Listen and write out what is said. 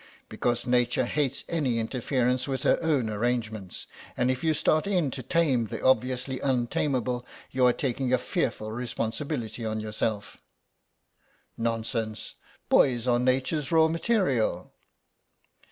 "Because Nature hates any interference with her own arrangements, and if you start in to tame the obviously untameable you are taking a fearful responsibility on yourself." "Nonsense; boys are Nature's raw material."